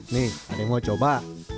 nih ada yang mau coba